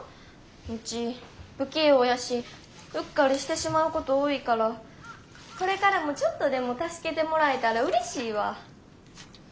ウチ不器用やしうっかりしてしまうこと多いからこれからもちょっとでも助けてもらえたらうれしいわ。